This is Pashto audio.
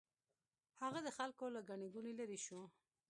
هغه د خلکو له ګڼې ګوڼې لرې شو.